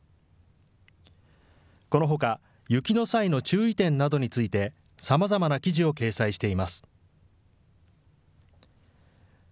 このほか雪の際の注意点などについてさまざまな記事を掲載しています。